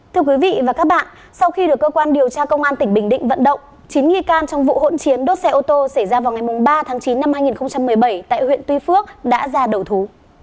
thưa quý vị và các bạn sau khi được cơ quan điều tra công an tỉnh bình định vận động chín nghi can trong vụ hỗn chiến đốt xe ô tô xảy ra vào ngày ba tháng chín năm hai nghìn một mươi bảy tại huyện tuy phước đã ra đầu thú